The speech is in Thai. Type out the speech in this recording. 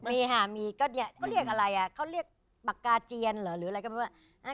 มีหามีก็เรียกอะไรอ่ะเขาเรียกบักกาเจียนหรอหรืออะไรก็ไม่รู้ว่า